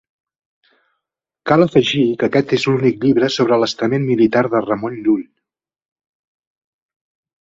Cal afegir, que aquest és l'únic llibre sobre l'estament militar de Ramon Llull.